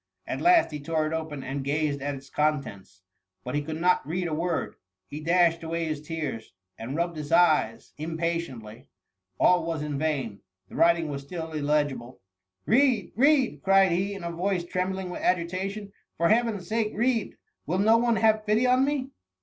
At last, he tore it open and gazed at its con tents, but he could not read a word ; he dashed away his tears, and rubbed his eyes impatiently —all was in vain — the writing was still illegible —" Read ! read r cried he, in a voice trem bling with agitation, " For Heavens sake read !— will no one hai^e pity on me